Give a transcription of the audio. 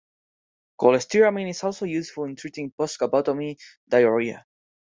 Colestyramine is also useful in treating post-vagotomy diarrhea.